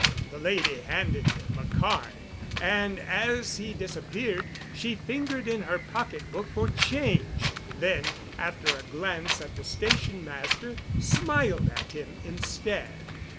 The lady handed him a card, and, as he disappeared, she fingered in her pocketbook for change—then, after a glance at the station master, smiled at him instead.